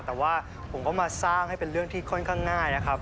แต่ว่าผมก็มาสร้างให้เป็นเรื่องที่ค่อนข้างง่ายนะครับ